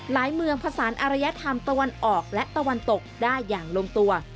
เมืองผสานอารยธรรมตะวันออกและตะวันตกได้อย่างลงตัว